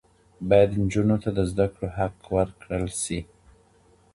باید نجونو ته د زده کړې حق ورکړل شي.